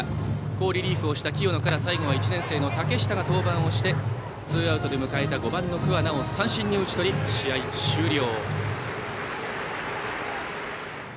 好リリーフをした清野から最後は１年生の竹下を登板をしてツーアウトで迎えた５番の桑名を三振に打ち取り試合終了。